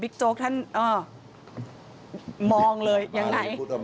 บิ๊กโจ๊กท่านอ้อมองเลยยังไง